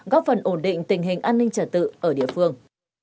góp phần ổn định tình hình an ninh trả tự ở địa phương